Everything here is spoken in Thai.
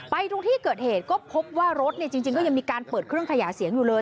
ตรงที่เกิดเหตุก็พบว่ารถจริงก็ยังมีการเปิดเครื่องขยายเสียงอยู่เลย